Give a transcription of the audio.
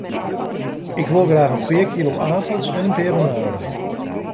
Ik wol graach in kilo apels en in pear bananen.